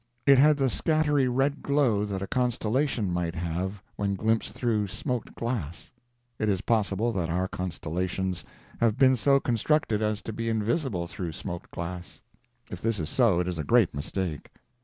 It had the scattery red glow that a constellation might have when glimpsed through smoked glass. It is possible that our constellations have been so constructed as to be invisible through smoked glass; if this is so it is a great mistake.